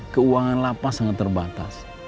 keuangan lapas sangat terbatas